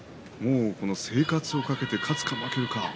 生活を懸けて勝つか負けるか